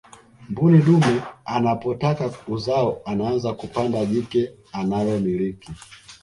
mbuni dume anapotaka uzao anaanza kupanda jike analomiliki